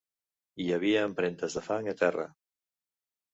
Hi havia empremtes de fang a terra.